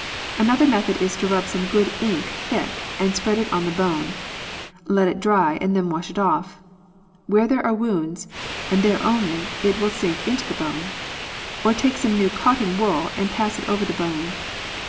"Another method is to'rub some good ink thick and spread it on the bone. Let it dry, and then wash it off. Where there are wounds, and there only, it will sink into the bone. Or take some new cotton wool and pass it over the bone.